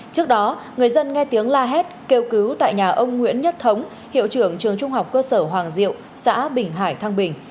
trước đó người dân nghe tiếng la hét kêu cứu tại nhà ông nguyễn nhất thống hiệu trưởng trường trung học cơ sở hoàng diệu xã bình hải thăng bình